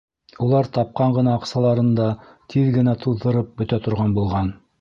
Улар тапҡан ғына аҡсаларын да тиҙ генә туҙҙырып бөтә торған булған.